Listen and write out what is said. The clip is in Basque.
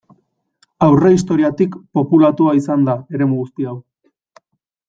Aurrehistoriatik populatua izan da eremu guzti hau.